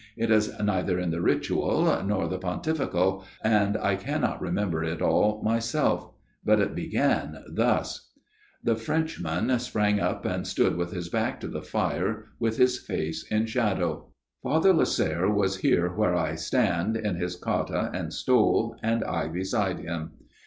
It is neither in the Ritual nor the Pontifical, and I cannot remember it all myself. But it began thus." FATHER MEURON'S TALE 45 The Frenchman sprang up and stood with his hack to the fire, with his face in shadow. " Father Lasserre was here where I stand, in his cotta and stole, and I beside him.